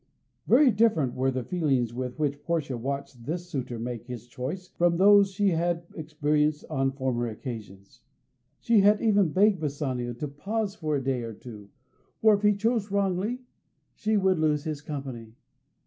Very different were the feelings with which Portia watched this suitor make his choice from those she had experienced on former occasions. She had even begged Bassanio to pause for a day or two, for if he chose wrongly she would lose his company.